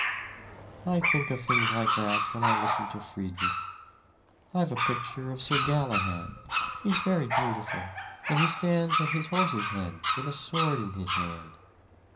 "I think of things like that when I listen to Friedrich. I've a picture of Sir Galahad he's very beautiful, and he stands at his horse's head with a sword in his hand.